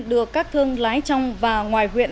được các thương lái trong và ngoài huyện